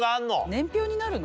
年表になるの？